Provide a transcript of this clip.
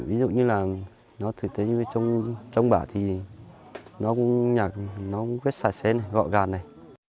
ví dụ như là nó thực tế như trong bã thì nó cũng nhạc nó cũng quyết xài xế này gọi gạt này